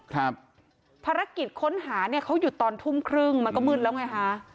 ภารกิจค้นหาเนี่ยเขาหยุดตอนทุ่มครึ่งมันก็มืดแล้วไงฮะ